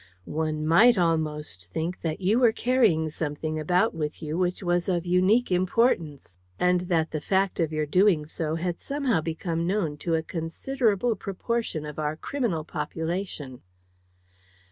One might almost think that you were carrying something about with you which was of unique importance, and that the fact of your doing so had somehow become known to a considerable proportion of our criminal population."